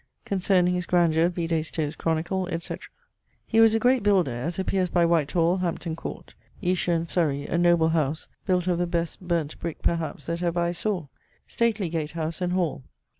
Concerning his grandure, vide Stowe's Chronicle, &c. He was a great builder, as appeares by White hall, Hampton Court. Eshur[CIII.], in Surrey, a noble house, built of the best burn't brick (perhaps) that ever I sawe; stately gate house and hall.